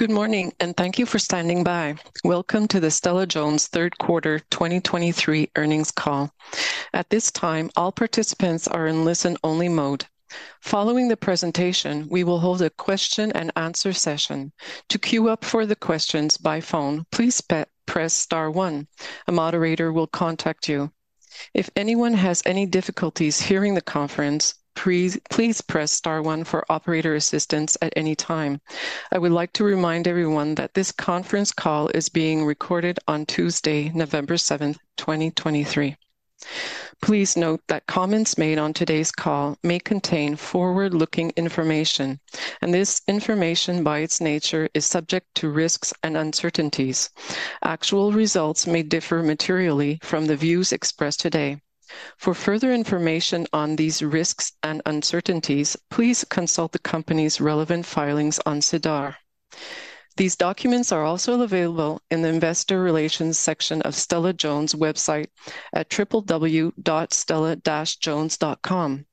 Good morning, and thank you for standing by. Welcome to the Stella-Jones Third Quarter 2023 Earnings Call. At this time, all participants are in listen-only mode. Following the presentation, we will hold a question and answer session. To queue up for the questions by phone, please press star one. A moderator will contact you. If anyone has any difficulties hearing the conference, please, please press star one for operator assistance at any time. I would like to remind everyone that this conference call is being recorded on Tuesday, November 7th, 2023. Please note that comments made on today's call may contain forward-looking information, and this information, by its nature, is subject to risks and uncertainties. Actual results may differ materially from the views expressed today. For further information on these risks and uncertainties, please consult the company's relevant filings on SEDAR. These documents are also available in the investor relations section of Stella-Jones' website at www.stella-jones.com.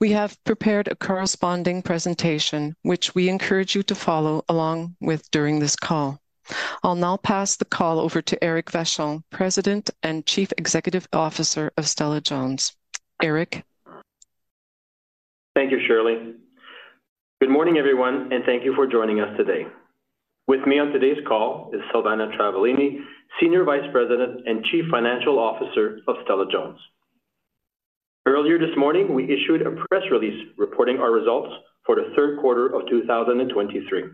We have prepared a corresponding presentation, which we encourage you to follow along with during this call. I'll now pass the call over to Éric Vachon, President and Chief Executive Officer of Stella-Jones. Éric? Thank you, Shirley. Good morning, everyone, and thank you for joining us today. With me on today's call is Silvana Travaglini, Senior Vice President and Chief Financial Officer of Stella-Jones. Earlier this morning, we issued a press release reporting our results for the third quarter of 2023.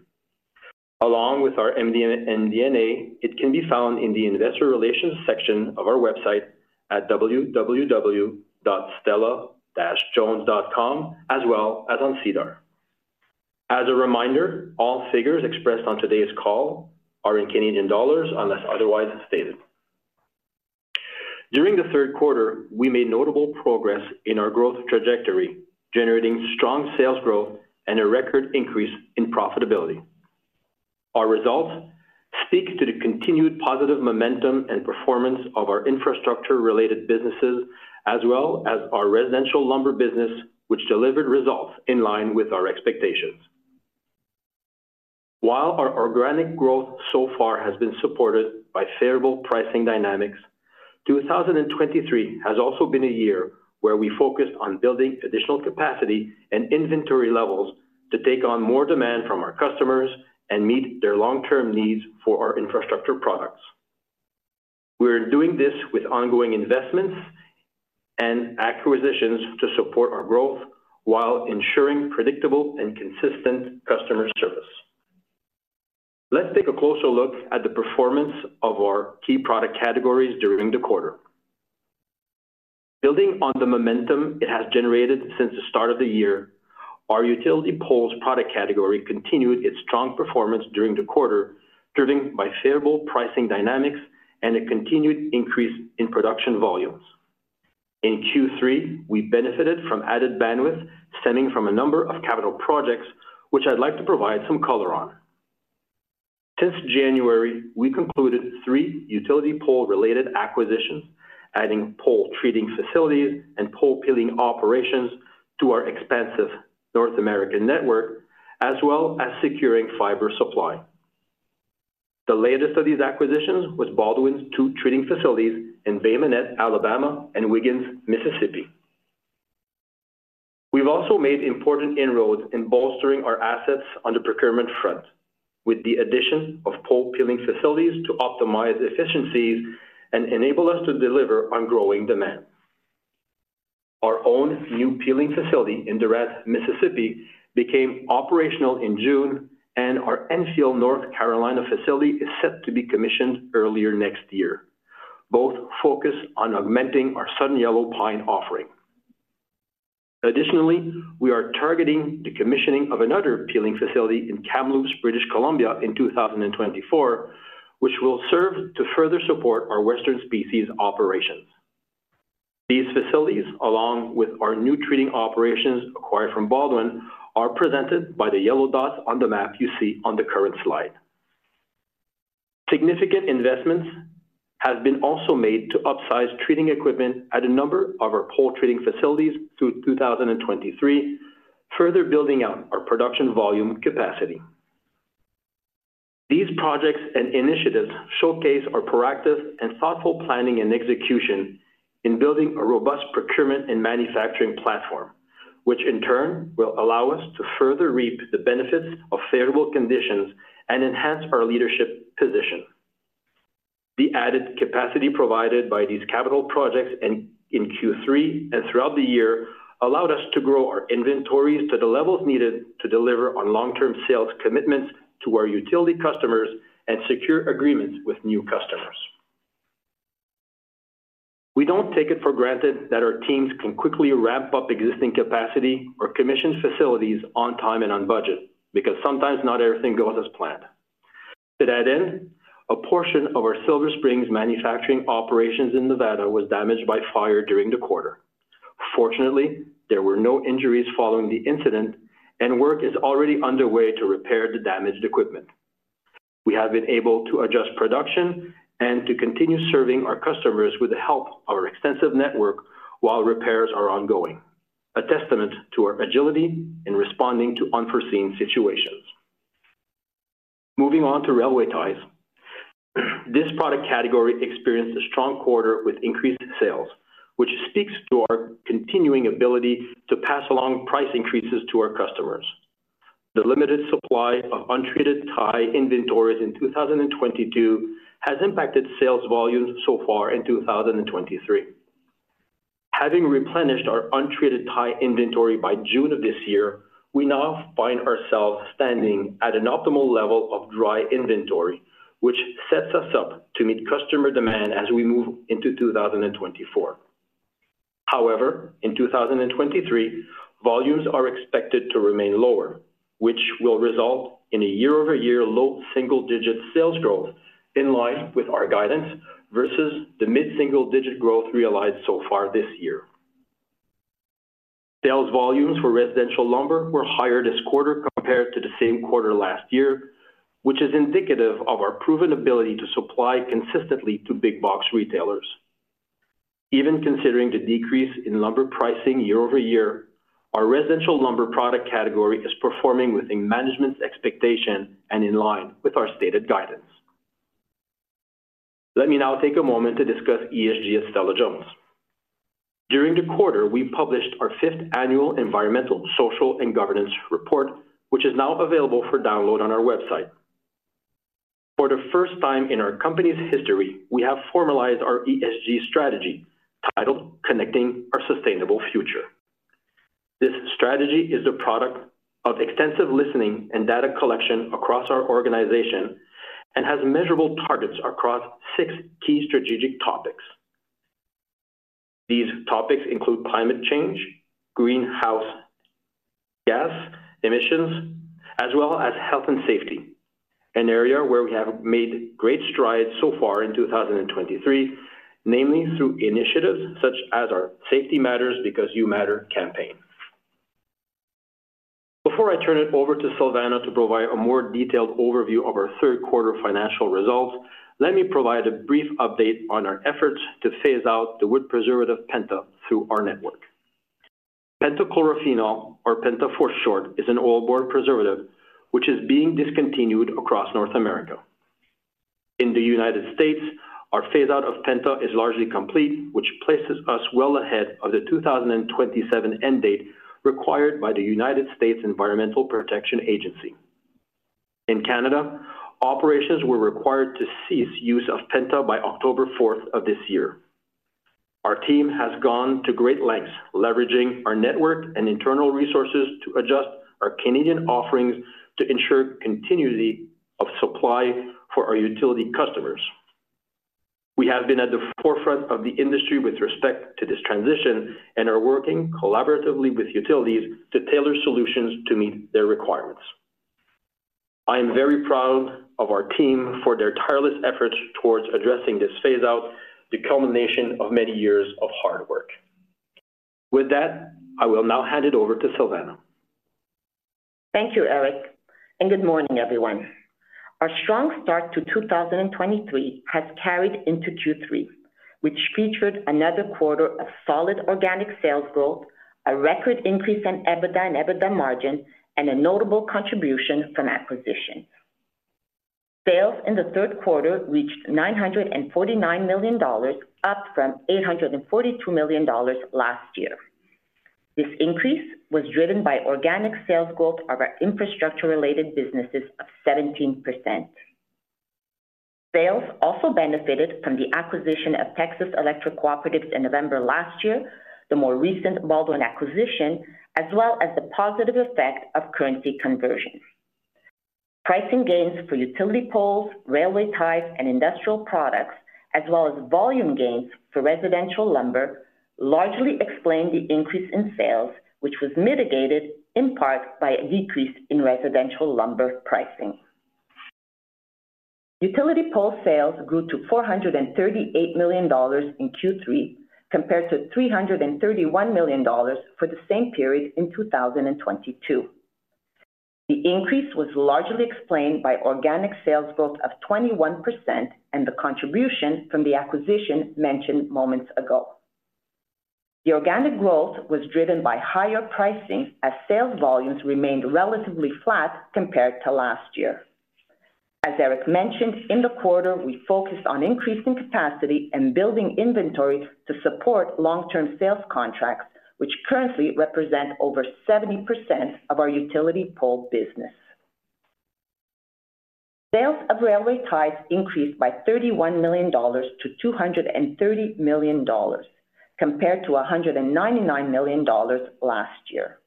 Along with our MD&A, it can be found in the investor relations section of our website at www.stella-jones.com, as well as on SEDAR. As a reminder, all figures expressed on today's call are in Canadian dollars, unless otherwise stated. During the third quarter, we made notable progress in our growth trajectory, generating strong sales growth and a record increase in profitability. Our results speak to the continued positive momentum and performance of our infrastructure-related businesses, as well as our residential lumber business, which delivered results in line with our expectations. While our organic growth so far has been supported by favorable pricing dynamics, 2023 has also been a year where we focused on building additional capacity and inventory levels to take on more demand from our customers and meet their long-term needs for our infrastructure products. We're doing this with ongoing investments and acquisitions to support our growth while ensuring predictable and consistent customer service. Let's take a closer look at the performance of our key product categories during the quarter. Building on the momentum it has generated since the start of the year, our utility poles product category continued its strong performance during the quarter, driven by favorable pricing dynamics and a continued increase in production volumes. In Q3, we benefited from added bandwidth stemming from a number of capital projects, which I'd like to provide some color on. Since January, we concluded 3 utility pole-related acquisitions, adding pole treating facilities and pole peeling operations to our expansive North American network, as well as securing fiber supply. The latest of these acquisitions was Baldwin's 2 treating facilities in Bay Minette, Alabama, and Wiggins, Mississippi. We've also made important inroads in bolstering our assets on the procurement front, with the addition of pole peeling facilities to optimize efficiencies and enable us to deliver on growing demand. Our own new peeling facility in Durant, Mississippi, became operational in June, and our Enfield, North Carolina, facility is set to be commissioned earlier next year. Both focus on augmenting our Southern yellow pine offering. Additionally, we are targeting the commissioning of another peeling facility in Kamloops, British Columbia, in 2024, which will serve to further support our Western species operations. These facilities, along with our new treating operations acquired from Baldwin, are presented by the yellow dots on the map you see on the current slide. Significant investments have been also made to upsize treating equipment at a number of our pole treating facilities through 2023, further building out our production volume capacity. These projects and initiatives showcase our proactive and thoughtful planning and execution in building a robust procurement and manufacturing platform, which in turn will allow us to further reap the benefits of favorable conditions and enhance our leadership position. The added capacity provided by these capital projects in Q3 and throughout the year allowed us to grow our inventories to the levels needed to deliver on long-term sales commitments to our utility customers and secure agreements with new customers. We don't take it for granted that our teams can quickly ramp up existing capacity or commission facilities on time and on budget, because sometimes not everything goes as planned. To that end, a portion of our Silver Springs manufacturing operations in Nevada was damaged by fire during the quarter. Fortunately, there were no injuries following the incident, and work is already underway to repair the damaged equipment. We have been able to adjust production and to continue serving our customers with the help of our extensive network while repairs are ongoin. A testament to our agility in responding to unforeseen situations. Moving on to railway ties, this product category experienced a strong quarter with increased sales, which speaks to our continuing ability to pass along price increases to our customers. The limited supply of untreated tie inventories in 2022 has impacted sales volumes so far in 2023. Having replenished our untreated tie inventory by June of this year, we now find ourselves standing at an optimal level of dry inventory, which sets us up to meet customer demand as we move into 2024. However, in 2023, volumes are expected to remain lower, which will result in a year-over-year low single-digit sales growth in line with our guidance versus the mid-single-digit growth realized so far this year. Sales volumes for residential lumber were higher this quarter compared to the same quarter last year, which is indicative of our proven ability to supply consistently to big box retailers. Even considering the decrease in lumber pricing year over year, our residential lumber product category is performing within management's expectation and in line with our stated guidance. Let me now take a moment to discuss ESG at Stella-Jones. During the quarter, we published our fifth annual environmental, social, and governance report, which is now available for download on our website. For the first time in our company's history, we have formalized our ESG strategy, titled Connecting Our Sustainable Future. This strategy is a product of extensive listening and data collection across our organization and has measurable targets across six key strategic topics. These topics include climate change, greenhouse gas emissions, as well as health and safety, an area where we have made great strides so far in 2023, namely through initiatives such as our Safety Matters Because You Matter campaign. Before I turn it over to Silvana to provide a more detailed overview of our third quarter financial results, let me provide a brief update on our efforts to phase out the wood preservative penta through our network. Pentachlorophenol, or penta for short, is an oil-borne preservative, which is being discontinued across North America. In the United States, our phaseout of penta is largely complete, which places us well ahead of the 2027 end date required by the United States Environmental Protection Agency. In Canada, operations were required to cease use of penta by October 4th of this year. Our team has gone to great lengths, leveraging our network and internal resources to adjust our Canadian offerings to ensure continuity of supply for our utility customers. We have been at the forefront of the industry with respect to this transition and are working collaboratively with utilities to tailor solutions to meet their requirements. I am very proud of our team for their tireless efforts towards addressing this phase-out, the culmination of many years of hard work. With that, I will now hand it over to Silvana. Thank you, Éric, and good morning, everyone. Our strong start to 2023 has carried into Q3, which featured another quarter of solid organic sales growth, a record increase in EBITDA and EBITDA margin, and a notable contribution from acquisitions. Sales in the third quarter reached 949 million dollars, up from 842 million dollars last year. This increase was driven by organic sales growth of our infrastructure-related businesses of 17%. Sales also benefited from the acquisition of Texas Electric Cooperatives in November last year, the more recent Baldwin acquisition, as well as the positive effect of currency conversions. Pricing gains for utility poles, railway ties, and industrial products, as well as volume gains for residential lumber, largely explained the increase in sales, which was mitigated in part by a decrease in residential lumber pricing. Utility pole sales grew to 438 million dollars in Q3, compared to 331 million dollars for the same period in 2022. The increase was largely explained by organic sales growth of 21% and the contribution from the acquisition mentioned moments ago. The organic growth was driven by higher pricing, as sales volumes remained relatively flat compared to last year. As Eric mentioned, in the quarter, we focused on increasing capacity and building inventory to support long-term sales contracts, which currently represent over 70% of our utility pole business. Sales of railway ties increased by 31 million dollars to 230 million dollars, compared to 199 million dollars last year.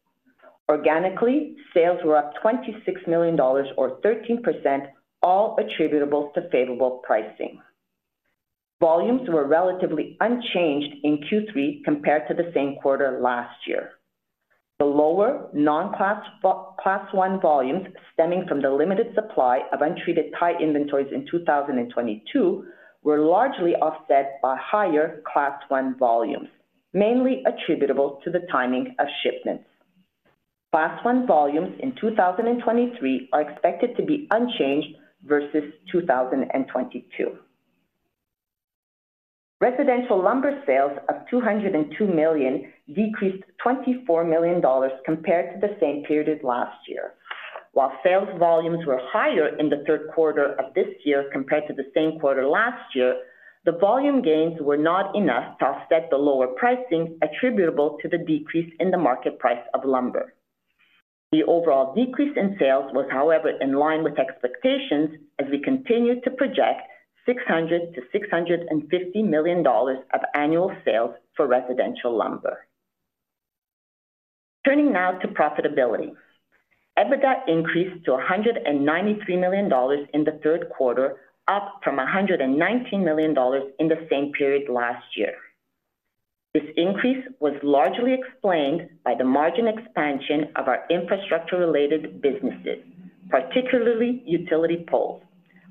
Organically, sales were up 26 million dollars or 13%, all attributable to favorable pricing. Volumes were relatively unchanged in Q3 compared to the same quarter last year. The lower non-Class I volumes stemming from the limited supply of untreated tie inventories in 2022 were largely offset by higher Class I volumes, mainly attributable to the timing of shipments. Class I volumes in 2023 are expected to be unchanged versus 2022. Residential lumber sales of 202 million decreased 24 million dollars compared to the same period last year. While sales volumes were higher in the third quarter of this year compared to the same quarter last year, the volume gains were not enough to offset the lower pricing attributable to the decrease in the market price of lumber. The overall decrease in sales was, however, in line with expectations as we continued to project 600 million-650 million dollars of annual sales for residential lumber. Turning now to profitability. EBITDA increased to 193 million dollars in the third quarter, up from 119 million dollars in the same period last year. This increase was largely explained by the margin expansion of our infrastructure-related businesses, particularly utility poles,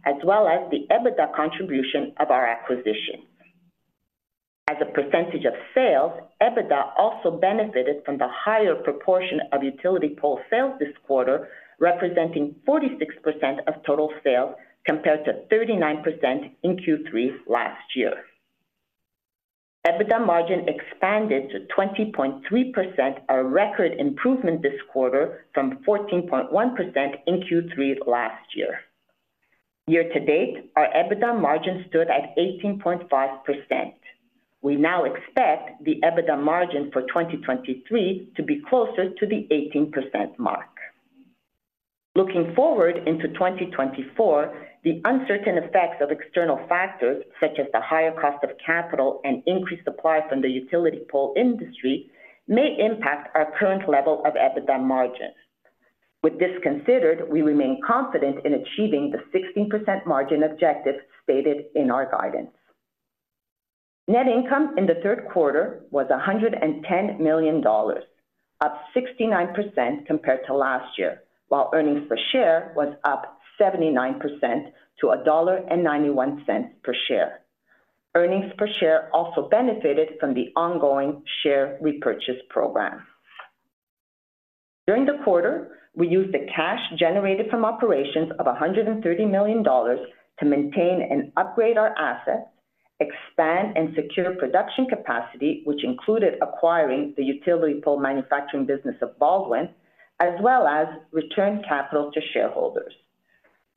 as well as the EBITDA contribution of our acquisitions. As a percentage of sales, EBITDA also benefited from the higher proportion of utility pole sales this quarter, representing 46% of total sales, compared to 39% in Q3 last year. EBITDA margin expanded to 20.3%, a record improvement this quarter from 14.1% in Q3 last year. Year-to-date, our EBITDA margin stood at 18.5%. We now expect the EBITDA margin for 2023 to be closer to the 18% mark. Looking forward into 2024, the uncertain effects of external factors, such as the higher cost of capital and increased supply from the utility pole industry, may impact our current level of EBITDA margin. With this considered, we remain confident in achieving the 16% margin objective stated in our guidance. Net income in the third quarter was 110 million dollars, up 69% compared to last year, while earnings per share was up 79% to 1.91 dollar per share. Earnings per share also benefited from the ongoing share repurchase program. During the quarter, we used the cash generated from operations of 130 million dollars to maintain and upgrade our assets, expand and secure production capacity, which included acquiring the utility pole manufacturing business of Baldwin, as well as return capital to shareholders.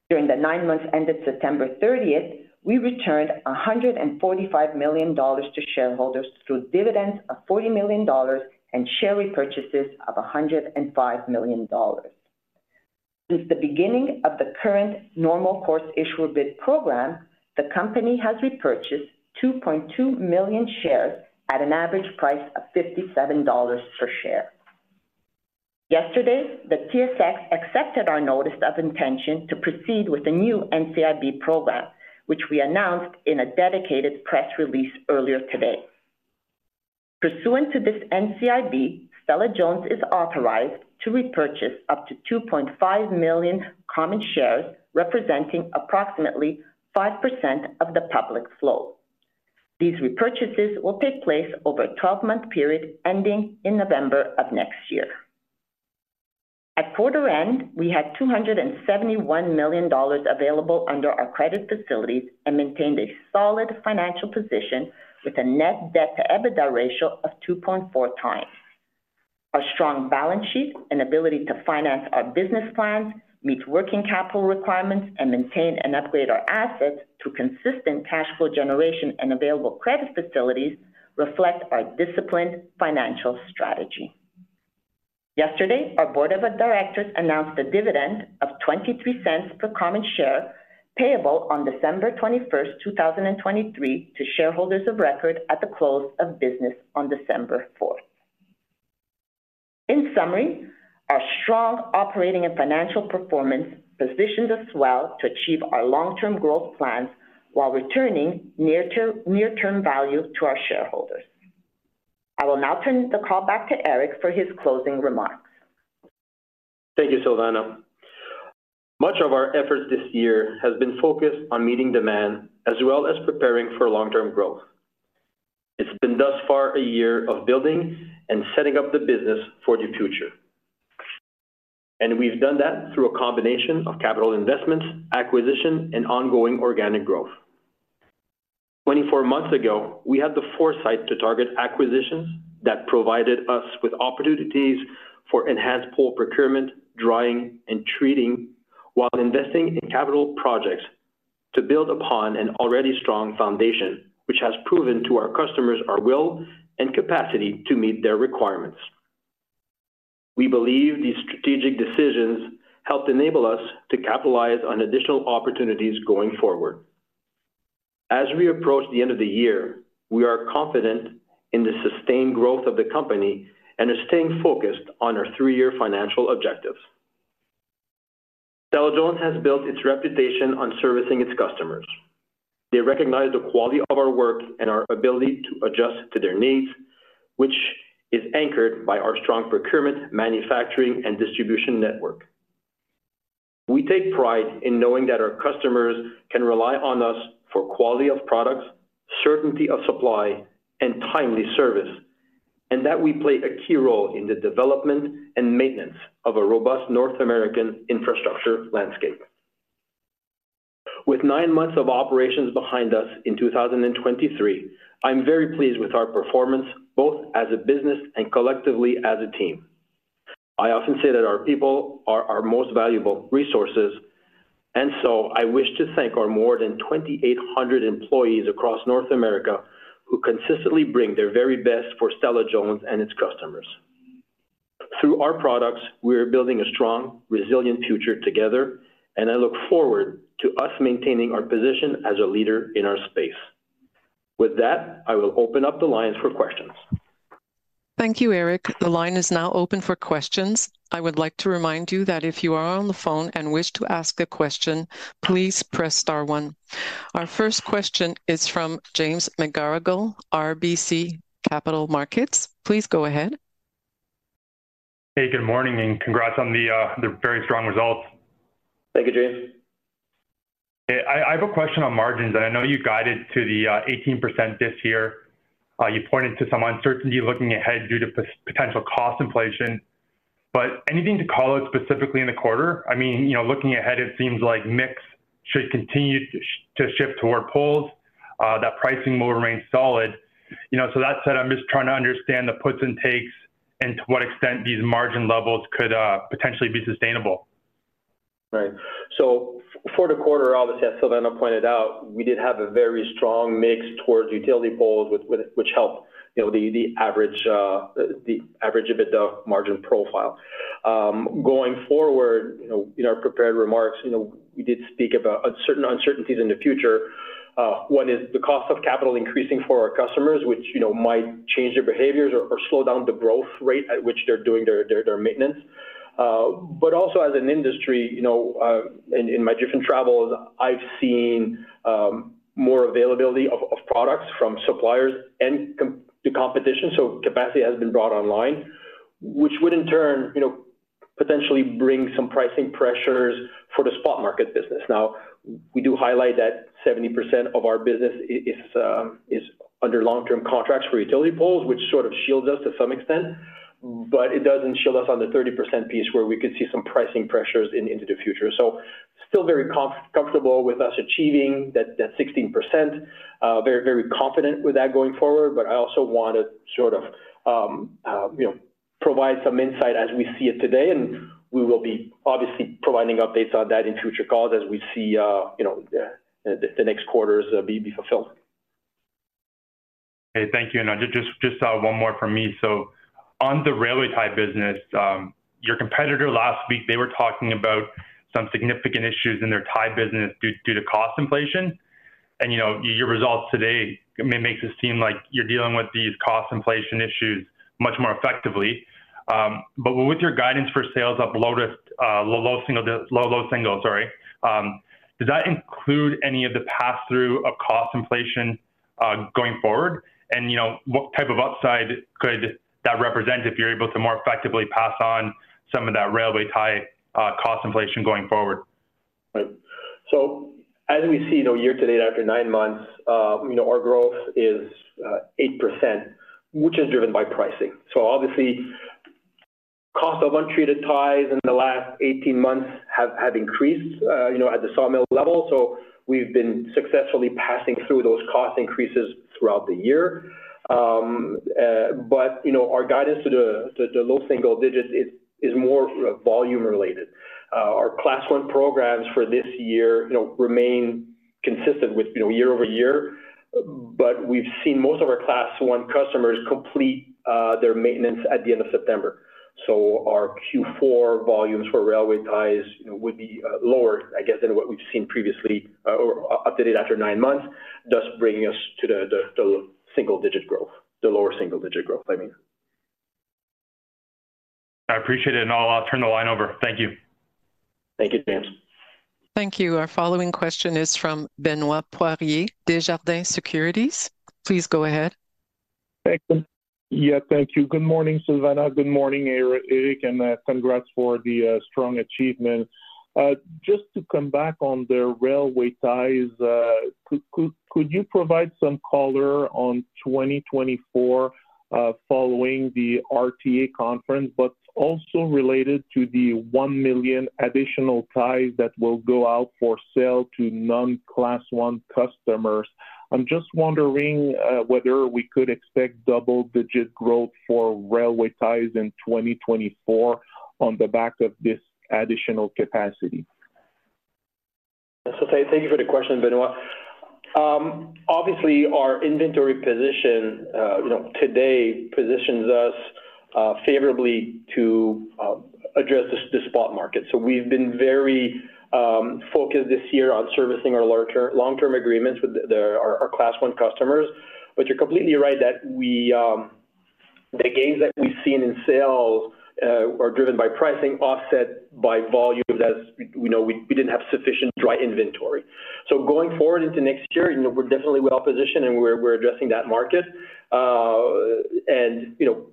During the nine months ended September 30th, we returned 145 million dollars to shareholders through dividends of 40 million dollars and share repurchases of 105 million dollars. Since the beginning of the current normal course issuer bid program, the company has repurchased 2.2 million shares at an average price of 57 dollars per share. Yesterday, the TSX accepted our notice of intention to proceed with a new NCIB program, which we announced in a dedicated press release earlier today. Pursuant to this NCIB, Stella-Jones is authorized to repurchase up to 2.5 million common shares, representing approximately 5% of the public float. These repurchases will take place over a 12-month period ending in November of next year. At quarter end, we had 271 million dollars available under our credit facilities and maintained a solid financial position with a net debt to EBITDA ratio of 2.4 times. Our strong balance sheet and ability to finance our business plans, meet working capital requirements, and maintain and upgrade our assets to consistent cash flow generation and available credit facilities reflect our disciplined financial strategy. Yesterday, our board of directors announced a dividend of 0.23 per common share, payable on December 21st, 2023, to shareholders of record at the close of business on December 4. In summary, our strong operating and financial performance positions us well to achieve our long-term growth plans while returning near-term value to our shareholders. I will now turn the call back to Éric for his closing remarks. Thank you, Silvana. Much of our efforts this year has been focused on meeting demand as well as preparing for long-term growth. It's been thus far a year of building and setting up the business for the future, and we've done that through a combination of capital investments, acquisition, and ongoing organic growth. 24 months ago, we had the foresight to target acquisitions that provided us with opportunities for enhanced pole procurement, drying, and treating, while investing in capital projects to build upon an already strong foundation, which has proven to our customers our will and capacity to meet their requirements. We believe these strategic decisions helped enable us to capitalize on additional opportunities going forward. As we approach the end of the year, we are confident in the sustained growth of the company and are staying focused on our three-year financial objectives. Stella-Jones has built its reputation on servicing its customers. They recognize the quality of our work and our ability to adjust to their needs, which is anchored by our strong procurement, manufacturing, and distribution network. We take pride in knowing that our customers can rely on us for quality of products, certainty of supply, and timely service... and that we play a key role in the development and maintenance of a robust North American infrastructure landscape. With nine months of operations behind us in 2023, I'm very pleased with our performance, both as a business and collectively as a team. I often say that our people are our most valuable resources, and so I wish to thank our more than 2,800 employees across North America, who consistently bring their very best for Stella-Jones and its customers. Through our products, we are building a strong, resilient future together, and I look forward to us maintaining our position as a leader in our space. With that, I will open up the lines for questions. Thank you, Éric. The line is now open for questions. I would like to remind you that if you are on the phone and wish to ask a question, please press star one. Our first question is from James McGarrigle, RBC Capital Markets. Please go ahead. Hey, good morning, and congrats on the very strong results. Thank you, James. Yeah, I have a question on margins. I know you guided to the 18% this year. You pointed to some uncertainty looking ahead due to potential cost inflation. But anything to call out specifically in the quarter? I mean, you know, looking ahead, it seems like mix should continue to shift toward poles, that pricing will remain solid. You know, so that said, I'm just trying to understand the puts and takes and to what extent these margin levels could potentially be sustainable. Right. So for the quarter, obviously, as Silvana pointed out, we did have a very strong mix towards utility poles, with which helped, you know, the average EBITDA margin profile. Going forward, you know, in our prepared remarks, you know, we did speak about uncertain uncertainties in the future. One is the cost of capital increasing for our customers, which, you know, might change their behaviors or slow down the growth rate at which they're doing their maintenance. But also as an industry, you know, in my different travels, I've seen more availability of products from suppliers and the competition, so capacity has been brought online, which would, in turn, you know, potentially bring some pricing pressures for the spot market business. Now, we do highlight that 70% of our business is under long-term contracts for utility poles, which sort of shields us to some extent, but it doesn't shield us on the 30% piece, where we could see some pricing pressures into the future. So still very comfortable with us achieving that 16%, very, very confident with that going forward. But I also want to sort of, you know, provide some insight as we see it today, and we will be obviously providing updates on that in future calls as we see the next quarters be fulfilled. Okay, thank you. And just one more from me. So on the railway tie business, your competitor last week, they were talking about some significant issues in their tie business due to cost inflation. And, you know, your results today makes us seem like you're dealing with these cost inflation issues much more effectively. But with your guidance for sales up low to low single digits, does that include any of the pass-through of cost inflation going forward? And, you know, what type of upside could that represent if you're able to more effectively pass on some of that railway tie cost inflation going forward? Right. So as we see, you know, year to date, after nine months, you know, our growth is 8%, which is driven by pricing. So obviously, cost of untreated ties in the last 18 months have increased, you know, at the sawmill level, so we've been successfully passing through those cost increases throughout the year. But, you know, our guidance to the low single digits is more volume related. Our Class I programs for this year, you know, remain consistent with year-over-year, but we've seen most of our Class I customers complete their maintenance at the end of September. So our Q4 volumes for railway ties, you know, would be lower, I guess, than what we've seen previously or up to date after nine months, thus bringing us to the single digit growth, the lower single digit growth, I mean. I appreciate it, and I'll turn the line over. Thank you. Thank you, James. Thank you. Our following question is from Benoit Poirier, Desjardins Securities. Please go ahead. Thank you. Yeah, thank you. Good morning, Silvana. Good morning, Éric, and congrats for the strong achievement. Just to come back on the railway ties, could you provide some color on 2024, following the RTA conference, but also related to the 1 million additional ties that will go out for sale to non-Class I customers? I'm just wondering whether we could expect double-digit growth for railway ties in 2024 on the back of this additional capacity. So thank you for the question, Benoit. Obviously, our inventory position, you know, today positions us favorably to address the spot market. So we've been very focused this year on servicing our larger long-term agreements with our Class I customers. But you're completely right that the gains that we've seen in sales are driven by pricing, offset by volume, as we know, we didn't have sufficient dry inventory. So going forward into next year, you know, we're definitely well positioned, and we're addressing that market. And, you know,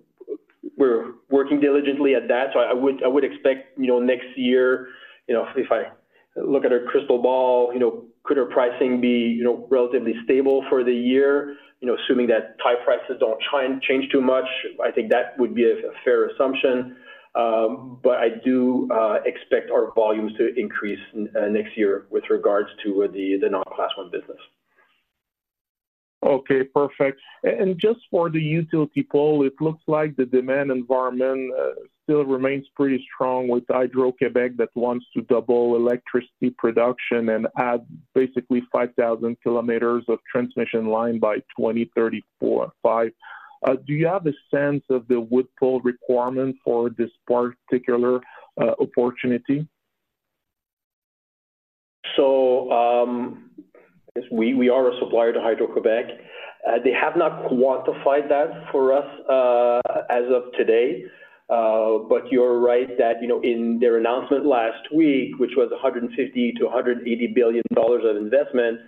we're working diligently at that, so I would expect, you know, next year, you know, if I look at a crystal ball, you know, could our pricing be relatively stable for the year? You know, assuming that tie prices don't try and change too much, I think that would be a fair assumption. But I do expect our volumes to increase next year with regards to the non-Class I business. Okay, perfect. And just for the utility pole, it looks like the demand environment still remains pretty strong with Hydro-Québec that wants to double electricity production and add basically 5,000 kilometers of transmission line by 2034-2035. Do you have a sense of the wood pole requirement for this particular opportunity? So, yes, we are a supplier to Hydro-Québec. They have not quantified that for us, as of today. But you're right that, you know, in their announcement last week, which was 150 billion-180 billion dollars of investment,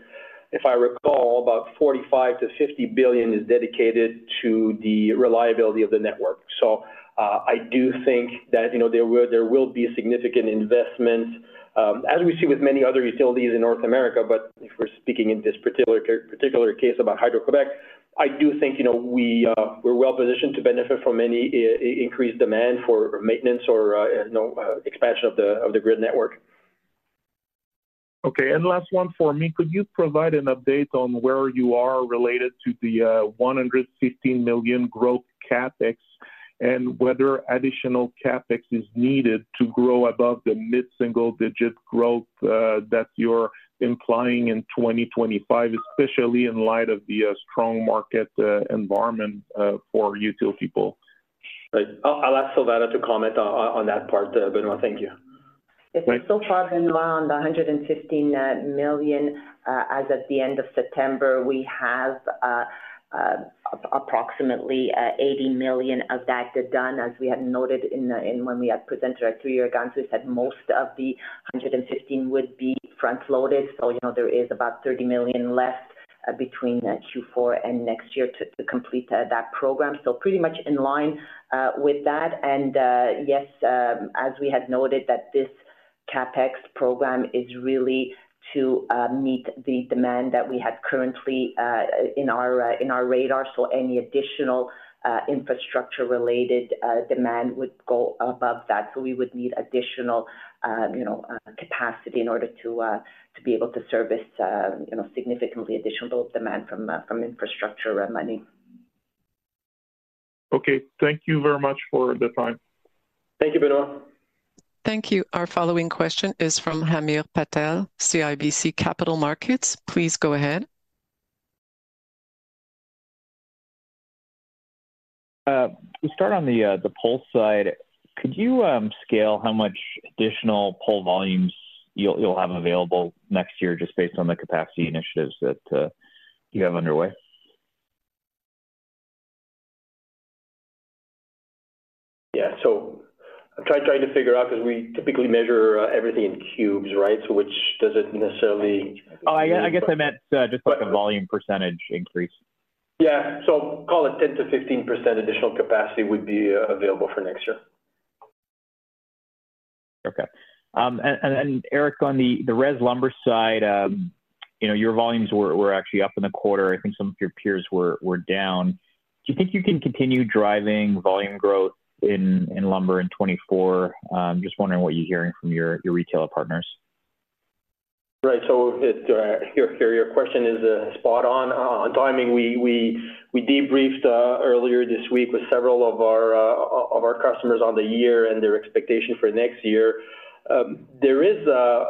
if I recall, about 45 billion-50 billion is dedicated to the reliability of the network. So, I do think that, you know, there will be a significant investment, as we see with many other utilities in North America. But if we're speaking in this particular case about Hydro-Québec, I do think, you know, we, we're well positioned to benefit from any increased demand for maintenance or, you know, expansion of the grid network. Okay, and last one for me. Could you provide an update on where you are related to the 115 million growth CapEx, and whether additional CapEx is needed to grow above the mid-single-digit growth that you're implying in 2025, especially in light of the strong market environment for utility poles? Right. I'll ask Silvana to comment on that part, Benoit. Thank you. Yes, so far, Benoit, on the 115 million as of the end of September, we have approximately 80 million of that done, as we had noted when we had presented our three-year guidance, we said most of the 115 million would be front-loaded. So, you know, there is about 30 million left between Q4 and next year to complete that program. So pretty much in line with that. And yes, as we had noted that this CapEx program is really to meet the demand that we have currently in our radar. So any additional infrastructure-related demand would go above that. So we would need additional, you know, capacity in order to be able to service, you know, significantly additional demand from infrastructure money. Okay. Thank you very much for the time. Thank you, Benoit. Thank you. Our following question is from Hamir Patel, CIBC Capital Markets. Please go ahead. To start on the pole side, could you scale how much additional pole volumes you'll have available next year just based on the capacity initiatives that you have underway? Yeah. So I'm trying to figure out, because we typically measure everything in cubes, right? So which doesn't necessarily. Oh, I guess, I guess I meant, just like a volume percentage increase. Yeah. So call it 10%-15% additional capacity would be available for next year. Okay. And Éric, on the res lumber side, you know, your volumes were actually up in the quarter. I think some of your peers were down. Do you think you can continue driving volume growth in lumber in 2024? Just wondering what you're hearing from your retailer partners. Right. So, your question is spot on, on timing. We debriefed earlier this week with several of our customers on the year and their expectation for next year. There is a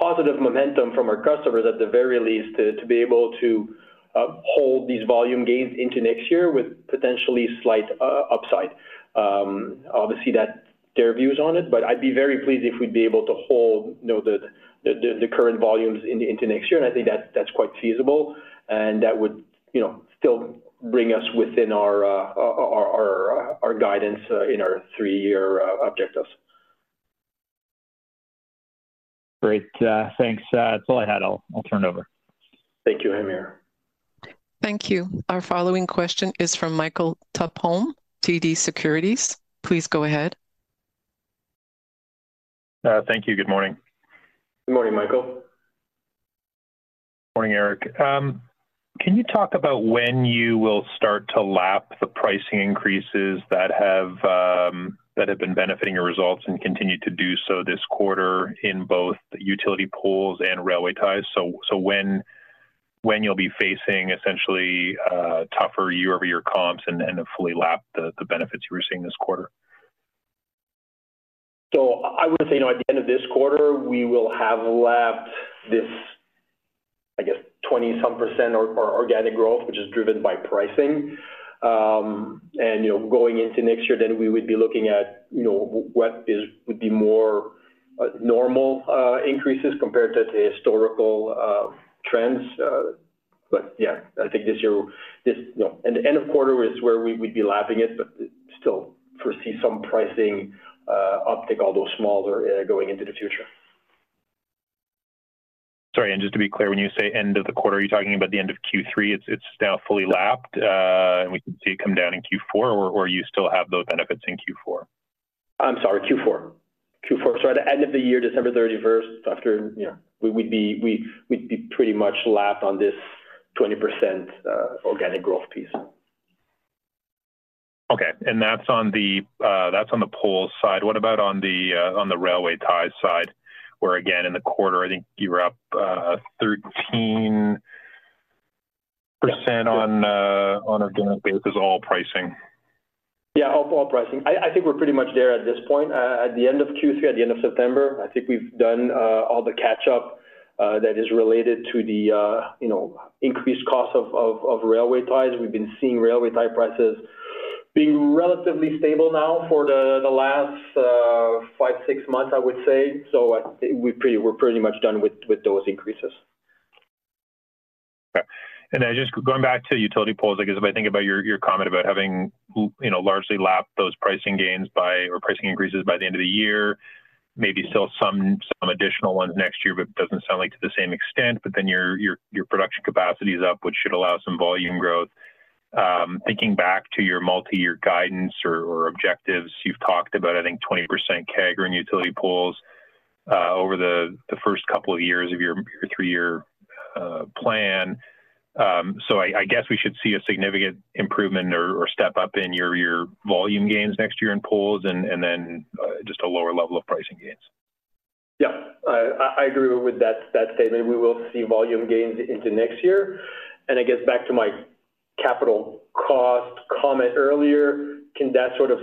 positive momentum from our customers, at the very least, to be able to hold these volume gains into next year with potentially slight upside. Obviously, that's their views on it, but I'd be very pleased if we'd be able to hold, you know, the current volumes into next year, and I think that's quite feasible, and that would, you know, still bring us within our our guidance in our three-year objectives. Great. Thanks. That's all I had. I'll, I'll turn it over. Thank you, Hamir. Thank you. Our following question is from Michael Tupholme, TD Securities. Please go ahead. Thank you. Good morning. Good morning, Michael. Morning, Éric. Can you talk about when you will start to lap the pricing increases that have been benefiting your results and continue to do so this quarter in both utility poles and railway ties? So, when you'll be facing essentially, tougher year-over-year comps and have fully lapped the benefits you were seeing this quarter? So I would say, you know, at the end of this quarter, we will have lapped this, I guess, 20-some% or organic growth, which is driven by pricing. You know, going into next year, then we would be looking at, you know, what would be more normal increases compared to the historical trends. But yeah, I think this year, this... You know, and the end of quarter is where we would be lapping it, but still foresee some pricing uptick, although smaller, going into the future. Sorry, and just to be clear, when you say end of the quarter, are you talking about the end of Q3? It's, it's now fully lapped, and we can see it come down in Q4, or, or you still have those benefits in Q4? I'm sorry, Q4. Q4. So at the end of the year, December thirty-first, after, you know, we'd be pretty much lapped on this 20% organic growth piece. Okay. And that's on the pole side. What about on the railway ties side, where, again, in the quarter, I think you were up 13% on organic basis, all pricing? Yeah, all pricing. I think we're pretty much there at this point. At the end of Q3, at the end of September, I think we've done all the catch-up that is related to the you know, increased cost of railway ties. We've been seeing railway tie prices being relatively stable now for the last five, six months, I would say. So we're pretty much done with those increases. Okay. And then just going back to utility poles, I guess, if I think about your comment about having, you know, largely lapped those pricing gains by or pricing increases by the end of the year, maybe still some additional ones next year, but it doesn't sound like to the same extent. But then your production capacity is up, which should allow some volume growth. Thinking back to your multi-year guidance or objectives, you've talked about, I think, 20% CAGR in utility poles, over the first couple of years of your three-year plan. So I guess we should see a significant improvement or step up in your volume gains next year in poles and then just a lower level of pricing gains. Yeah. I agree with that statement. We will see volume gains into next year, and I guess back to my capital cost comment earlier, can that sort of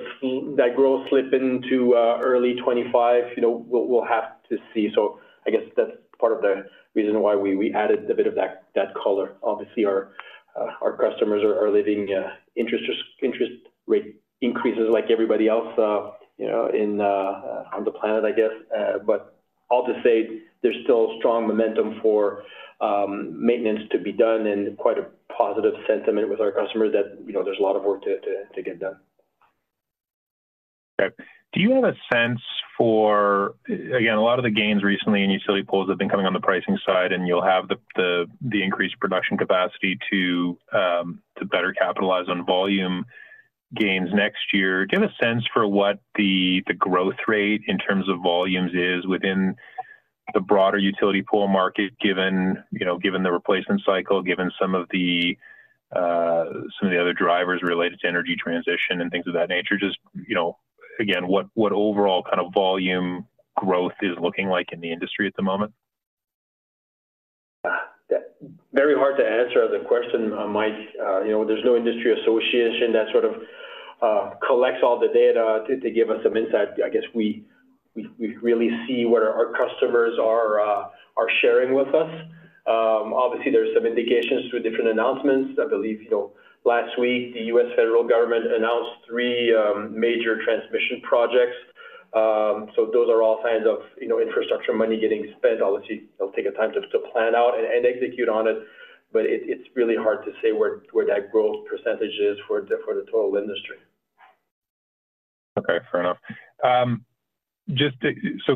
that growth slip into early 2025? You know, we'll have to see. So I guess that's part of the reason why we added a bit of that color. Obviously, our customers are living interest rate increases like everybody else, you know, on the planet, I guess. But I'll just say there's still strong momentum for maintenance to be done and quite a positive sentiment with our customers that, you know, there's a lot of work to get done. Okay. Do you have a sense for... Again, a lot of the gains recently in utility poles have been coming on the pricing side, and you'll have the increased production capacity to better capitalize on volume gains next year. Do you have a sense for what the growth rate in terms of volumes is within the broader utility pole market, given, you know, given the replacement cycle, given some of the other drivers related to energy transition and things of that nature? Just, you know, again, what overall kind of volume growth is looking like in the industry at the moment? Very hard to answer the question, Mike. You know, there's no industry association that sort of collects all the data to give us some insight. I guess we really see what our customers are sharing with us. Obviously, there are some indications through different announcements. I believe, you know, last week, the US federal government announced three major transmission projects. So those are all signs of, you know, infrastructure money getting spent. Obviously, it'll take a time to plan out and execute on it, but it's really hard to say where that growth percentage is for the total industry. Okay, fair enough. So,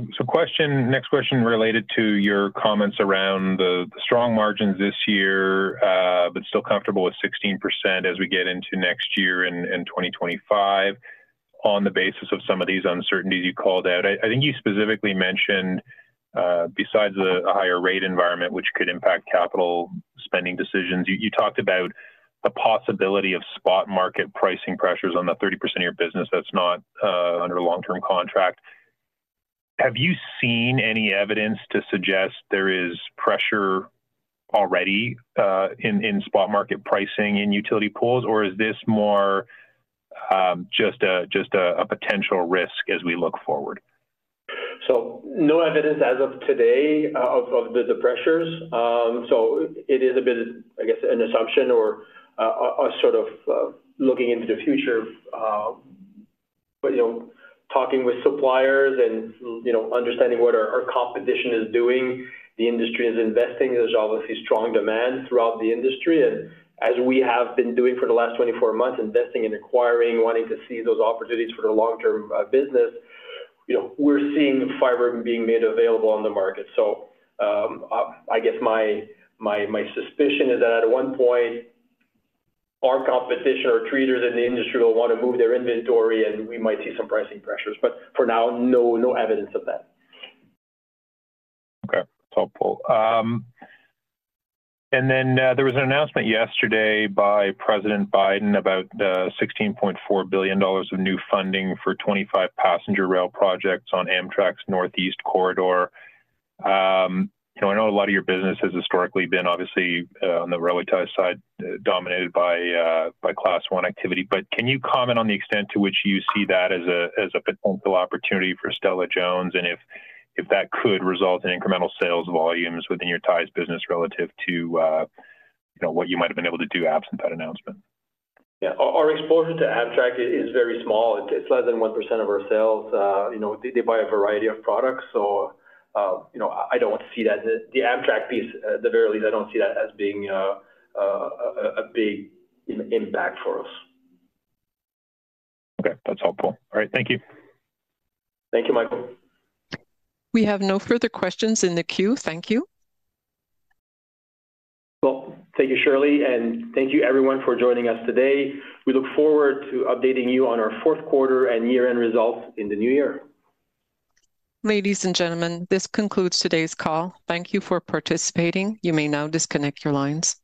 next question related to your comments around the strong margins this year, but still comfortable with 16% as we get into next year in 2025 on the basis of some of these uncertainties you called out. I think you specifically mentioned, besides a higher rate environment, which could impact capital spending decisions, you talked about the possibility of spot market pricing pressures on the 30% of your business that's not under a long-term contract. Have you seen any evidence to suggest there is pressure already in spot market pricing in utility poles, or is this more just a potential risk as we look forward? So no evidence as of today of the pressures. So it is a bit, I guess, an assumption or looking into the future. But, you know, talking with suppliers and, you know, understanding what our competition is doing, the industry is investing. There's obviously strong demand throughout the industry, and as we have been doing for the last 24 months, investing and acquiring, wanting to see those opportunities for the long-term business, you know, we're seeing fiber being made available on the market. I guess my suspicion is that at one point, our competition or traders in the industry will want to move their inventory, and we might see some pricing pressures, but for now, no evidence of that. Okay. That's helpful. And then, there was an announcement yesterday by President Biden about 16.4 billion dollars of new funding for 25 passenger rail projects on Amtrak's Northeast Corridor. You know, I know a lot of your business has historically been obviously on the railway ties side, dominated by by Class I activity, but can you comment on the extent to which you see that as a, as a potential opportunity for Stella-Jones? And if, if that could result in incremental sales volumes within your ties business relative to, you know, what you might have been able to do absent that announcement. Yeah. Our exposure to Amtrak is very small. It's less than 1% of our sales. You know, they, they buy a variety of products, so, you know, I don't want to see that... The Amtrak piece, the very least, I don't see that as being a big impact for us. Okay. That's helpful. All right. Thank you. Thank you, Michael. We have no further questions in the queue. Thank you. Well, thank you, Shirley, and thank you, everyone, for joining us today. We look forward to updating you on our fourth quarter and year-end results in the new year. Ladies and gentlemen, this concludes today's call. Thank you for participating. You may now disconnect your lines.